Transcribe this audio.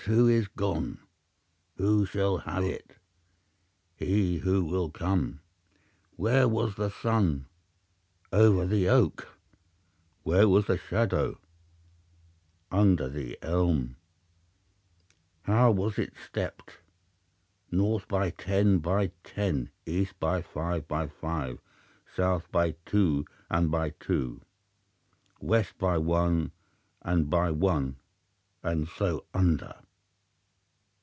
"'His who is gone.' "'Who shall have it?' "'He who will come.' "'Where was the sun?' "'Over the oak.' "'Where was the shadow?' "'Under the elm.' "How was it stepped?' "'North by ten and by ten, east by five and by five, south by two and by two, west by one and by one, and so under.